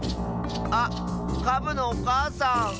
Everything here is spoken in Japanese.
カブのおかあさん！